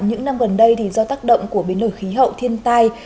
những năm gần đây do tác động của biến đổi khí hậu thiên tai